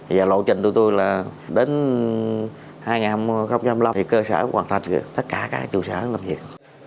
và lộ trình tụi tôi là đến hai nghìn hai mươi năm thì cơ sở hoàn thành tất cả các trụ sở làm việc